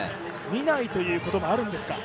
見ないということもあるんですか。